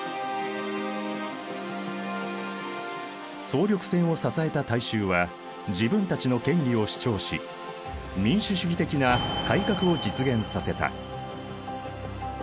総力戦を支えた大衆は自分たちの権利を主張し民主主義的な改革を実現させた。